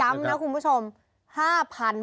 ย้ำนะคุณผู้ชม